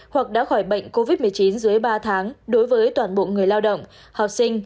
hoặc đã khỏi bệnh covid một mươi chín dưới ba tháng đối với toàn bộ người lao động học sinh